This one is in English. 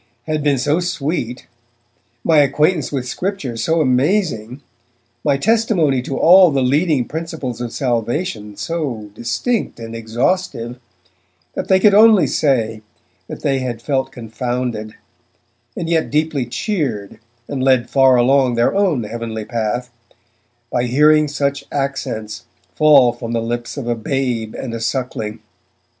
had been so sweet, my acquaintance with Scripture so amazing, my testimony to all the leading principles of salvation so distinct and exhaustive, that they could only say that they had felt confounded, and yet deeply cheered and led far along their own heavenly path, by hearing such accents fall from the lips of a babe and a suckling.